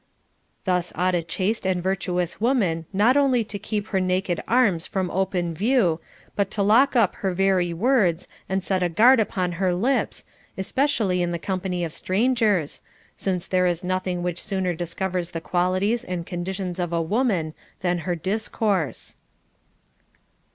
Thus ought a chaste and virtuous wo man not only to keep her naked arms from open view, but vot.. tt. 3" 498 CONJUGAL PRECEPTS. to lock up her very words and set a guard upon her lips, especially in the company of strangers, since there is noth ing which sooner discovers the qualities and conditions of a woman than her discourse.